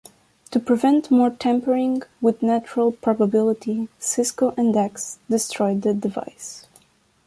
To prevent more tampering with natural probability, Sisko and Dax destroy the device.